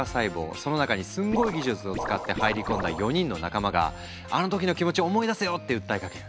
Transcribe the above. その中にすんごい技術を使って入り込んだ４人の仲間があの時の気持ち思い出せよって訴えかける。